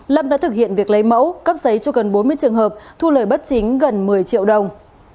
lâm đã thực hiện việc lấy mẫu cấp giấy cho gần bốn mươi trường hợp thu lời bất chính gần một mươi triệu đồng